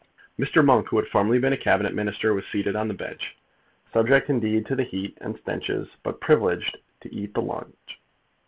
Mr. Monk, who had formerly been a Cabinet Minister, was seated on the bench, subject, indeed, to the heat and stenches, but priviledged to eat the lunch.